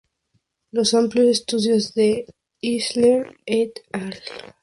Los amplios estudios de Isler "et al".